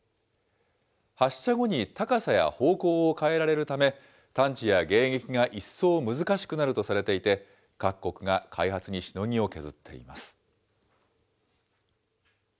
発射後に高さや方向を変えられるため、探知や迎撃が一層難しくなるとされていて、各国が開発にしのぎを削っています。